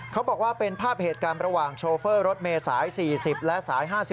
เขาบอกว่าเป็นภาพเหตุการณ์ระหว่างโชเฟอร์รถเมษาย๔๐และสาย๕๔